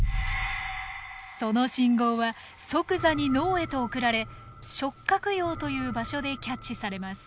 その信号は即座に脳へと送られ触角葉という場所でキャッチされます。